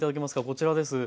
こちらです。